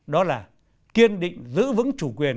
đó là kiên định giữ vững chủ quyền